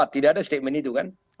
tidak ada statement itu kan